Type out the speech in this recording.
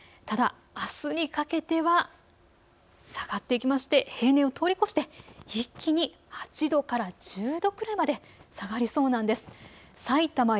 ただあすにかけては下がってきまして平年を通り越して一気に８度から１０度くらいまで下がりそうなんです。